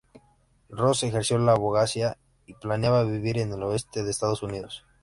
Ross ejerció la abogacía y planeaba vivir en el oeste de Estados Unidos.